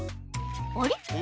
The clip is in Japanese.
あれ？